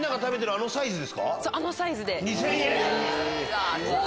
あのサイズで２０００円です。